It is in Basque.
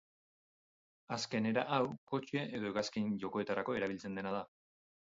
Azken era hau kotxe edo hegazkin jokoetarako erabiltzen dena da.